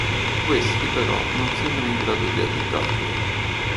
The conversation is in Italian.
Questi però non sembra in grado di aiutarlo.